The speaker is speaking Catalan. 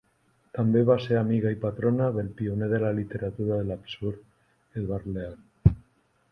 També va ser amiga i patrona del pioner de la literatura de l'absurd, Edward Lear.